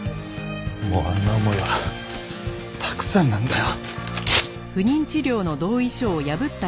もうあんな思いはたくさんなんだよ。